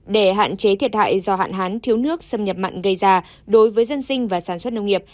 để hạn chế thiệt hại do hạn hán thiếu nước xâm nhập mặn gây ra đối với dân sinh và sản xuất nông nghiệp